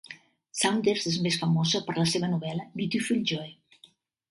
Saunders és més famosa per la seva novel·la "Beautiful Joe".